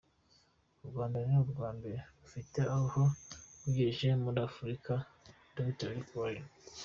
U Rwanda ni urwa mbere rufite aho rwigejeje muri Afurika - Dr Rick Warren.